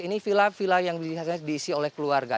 ini vila villa yang diisi oleh keluarga